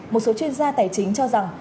một số chuyên gia tài chính cho rằng